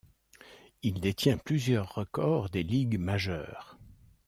Il détient plusieurs records des Ligues majeures.